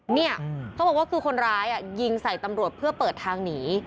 เนี่ยเขาบอกว่าคือคนร้ายยิงใส่ตำรวจเพื่อเปิดทางหนี